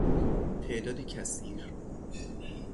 تعدادی کثیر